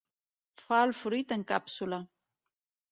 Fa el fruit en càpsula.